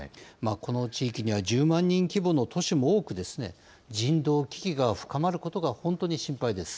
この地域には１０万人規模の都市も多く、人道危機が深まることが本当に心配です。